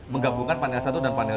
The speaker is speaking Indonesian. menggabungkan panel satu dan panel dua